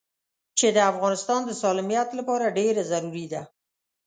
چې د افغانستان د سالميت لپاره ډېره ضروري ده.